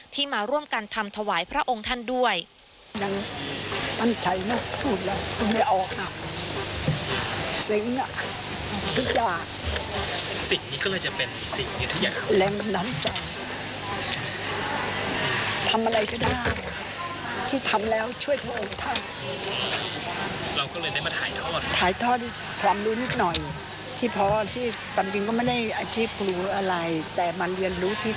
มาร่วมกันทำถวายพระองค์ท่านด้วย